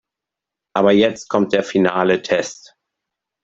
Aber jetzt kommt der finale Test.